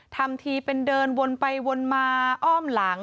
ทำทีเป็นเดินวนไปวนมาอ้อมหลัง